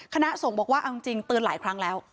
คณะสงฆ์บอกว่าเอาจริงเตือนหลายครั้งแล้ว